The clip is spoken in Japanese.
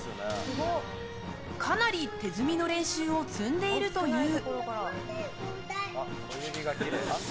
かなり手積みの練習を積んでいるという。